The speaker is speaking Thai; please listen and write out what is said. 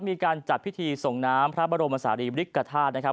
มีการจัดพิธีส่งน้ำพระบรมศาลีบริกฐาตุนะครับ